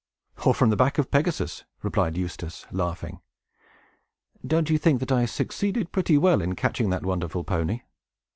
"Or from the back of Pegasus," replied Eustace, laughing. "Don't you think that I succeeded pretty well in catching that wonderful pony?"